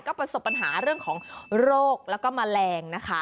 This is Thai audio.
ประสบปัญหาเรื่องของโรคแล้วก็แมลงนะคะ